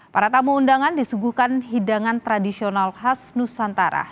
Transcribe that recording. para tamu undangan disuguhkan hidangan tradisional khas nusantara